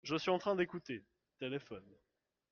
Je suis en train d'écouter. (téléphone).